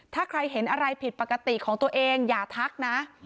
ถ้าใครเห็นอะไรผิดปกติของตัวเองอย่าทักนะ